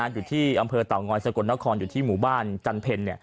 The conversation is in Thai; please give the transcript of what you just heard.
อยู่ที่อำเภอเต่างอยสกลนครอยู่ที่หมู่บ้านจันเพล